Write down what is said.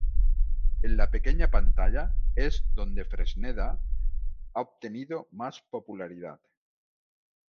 En la pequeña pantalla es donde Fresneda ha obtenido más popularidad.